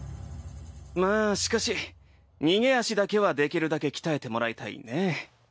まあしかし逃げ足だけはできるだけ鍛えてもらいたいね。